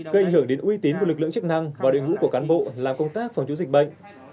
gây ảnh hưởng đến uy tín của lực lượng chức năng và đội ngũ của cán bộ làm công tác phòng chống dịch bệnh